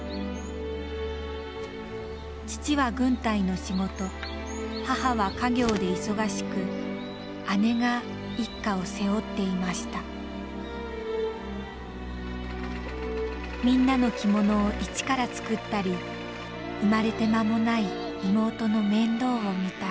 父は軍隊の仕事母は家業で忙しく姉が一家を背負っていましたみんなの着物を一から作ったり生まれて間もない妹の面倒を見たり。